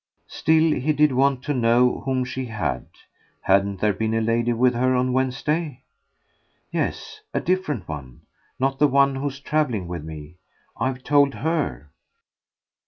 Still, he did want to know whom she had. Hadn't there been a lady with her on Wednesday? "Yes a different one. Not the one who's travelling with me. I've told HER."